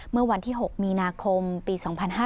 เมื่อวันที่๖มีนาคมปี๒๕๕๙